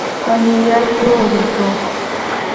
په نیویارک کې ووژل شو.